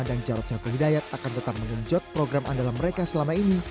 masyarakat hidayat akan tetap mengejot program andalan mereka selama ini